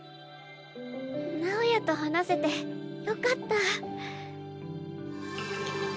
直也と話せてよかった。